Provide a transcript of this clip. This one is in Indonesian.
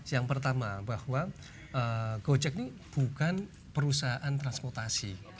yang pertama bahwa gojek ini bukan perusahaan transportasi